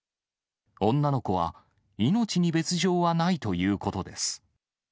女の子は命に別状はないということです。